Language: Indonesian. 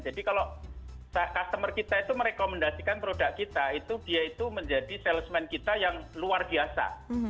jadi kalau customer kita itu merekomendasikan produk kita dia itu menjadi salesman kita yang luar biasa